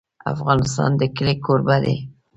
افغانستان د کلي کوربه دی.